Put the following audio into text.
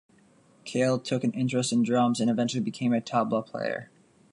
Kale took an interest in drums and eventually became a tabla player.